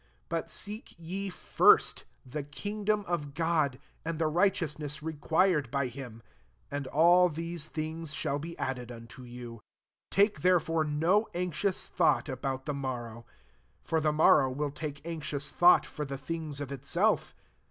33 But seek ye first the kingdom of God, and the righteousness required by him ; and all these things shall be added unto you. 34 Take therefore no anxious thought about the morrow : for the mor row will take anxious thought for [the things of] itself.